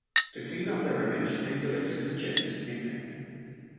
To clean up their image, they selected the Gents nickname.